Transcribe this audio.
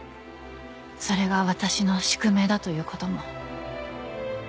それが私の宿命だということも。